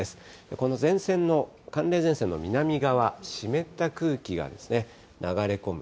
この前線の、寒冷前線の南側、湿った空気が流れ込む。